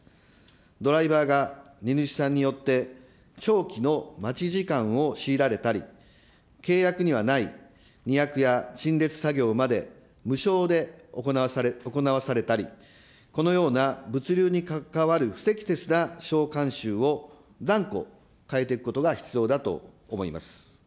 ドライバーが荷主さんによって長期の待ち時間を強いられたり、契約にはない荷役や陳列作業まで無償で行わされたり、このような物流に関わる不適切な商慣習を断固変えていくことが必要だと思います。